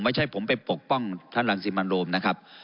ไม่ใช่ผมไปปกป้องท่านรังสิมันโรมนะครับ